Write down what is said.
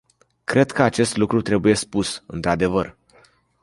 Cred că acest lucru trebuie spus, într-adevăr.